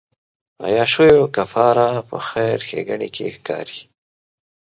عیاشیو کفاره په خیر ښېګڼې کې ښکاري.